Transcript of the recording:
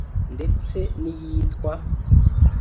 ndetse n’iyitwa